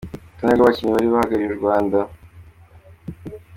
Urutonde rw’abakinnyi bari bahagarariye u Rwanda.